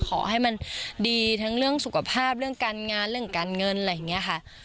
ขอให้มันดีทั้งเรื่องสุขภาพเรื่องการงานเรื่องการเงินอะไรอย่างนี้ค่ะ